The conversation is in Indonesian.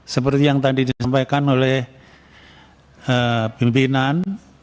seperti yang tadi disampaikan oleh pimpinan